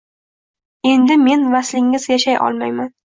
Endi men vaslingiz yashay olmayman